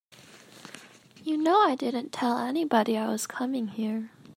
You know I didn't tell anybody I was coming here.